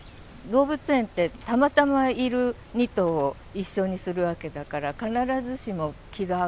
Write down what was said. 動物園ってたまたまいる２頭を一緒にするわけだからあそうか。